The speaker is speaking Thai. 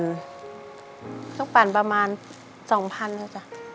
เครื่องปั่นประมาณ๒๐๐๐บาทต่อจ้ะ